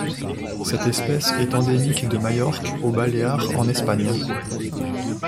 Cette espèce est endémique de Majorque aux Baléares en Espagne.